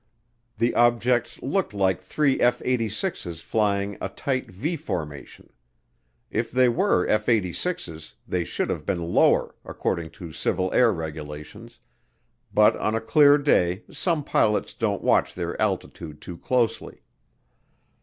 The objects looked like three F 86's flying a tight V formation. If they were F 86's they should have been lower, according to civil air regulations, but on a clear day some pilots don't watch their altitude too closely.